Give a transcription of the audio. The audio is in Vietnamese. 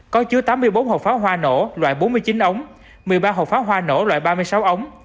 có chứa tám mươi bốn hộp pháo hoa nổ loại bốn mươi chín ống một mươi ba hộp pháo hoa nổ loại ba mươi sáu ống